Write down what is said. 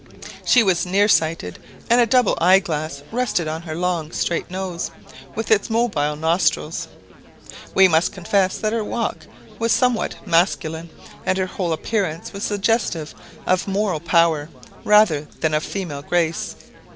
She was near sighted, and a double eye glass rested upon her long straight nose, with its mobile nostrils. We must confess that her walk was somewhat masculine, and her whole appearance was suggestive of moral power, rather than of female grace.